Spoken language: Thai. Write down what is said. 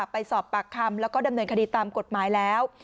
ไปสอบปากคำแล้วก็ดำเนินคดีตามกฎหมายแล้ว